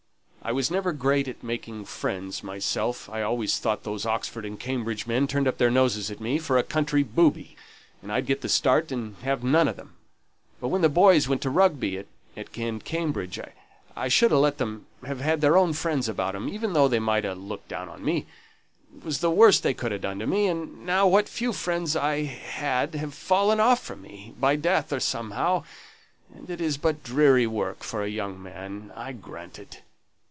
I was never great at making friends myself: I always thought those Oxford and Cambridge men turned up their noses at me for a country booby, and I'd get the start and have none o' them. But when the boys went to Rugby and Cambridge, I should ha' let them have had their own friends about 'em, even though they might ha' looked down on me; it was the worst they could ha' done to me; and now what few friends I had have fallen off from me, by death or somehow, and it is but dreary work for a young man, I grant it.